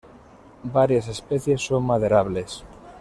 Varias especies son maderables.